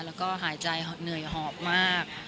แล้วก็หายใจเหนื่อยหอบมาก